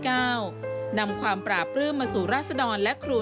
ก็เปิดความปราบลื้มมาสู่ราษฎรและครู